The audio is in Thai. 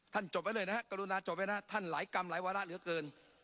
จบไว้เลยนะฮะกรุณาจบไว้นะท่านหลายกรรมหลายวาระเหลือเกิน